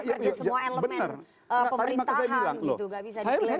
itu kerja semua elemen pemerintahan